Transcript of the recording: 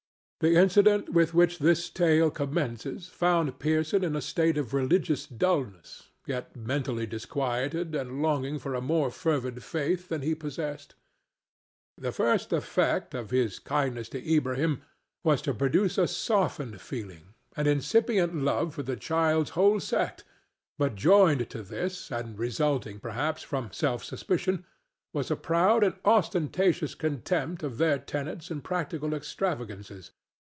The incident with which this tale commences found Pearson in a state of religious dulness, yet mentally disquieted and longing for a more fervid faith than he possessed. The first effect of his kindness to Ilbrahim was to produce a softened feeling, an incipient love for the child's whole sect, but joined to this, and resulting, perhaps, from self suspicion, was a proud and ostentatious contempt of their tenets and practical extravagances.